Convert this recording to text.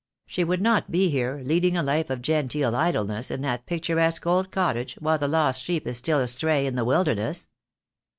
She would not be here, leading a life of genteel idleness in that picturesque old cottage while the lost sheep is still astray in the wilderness."